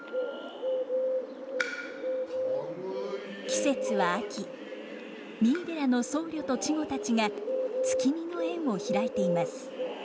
季節は秋三井寺の僧侶と稚児たちが月見の宴を開いています。